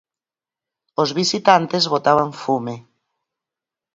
Os visitantes botaban fume.